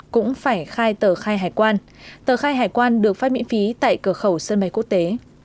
cũng phải khai tờ khai hải quan tờ khai hải quan được phát miễn phí tại cửa khẩu sân bay quốc tế